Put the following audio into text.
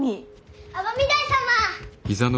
尼御台様！